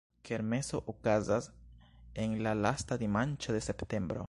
Kermeso okazas en la lasta dimanĉo de septembro.